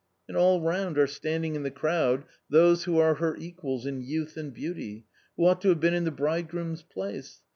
And all round are standing in the crowd those who are her equals in youth and beauty, who ought to have been in the bridegroom's place.